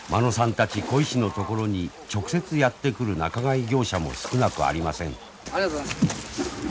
たち鯉師のところに直接やって来る仲買業者も少なくありません。